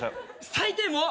最低もう！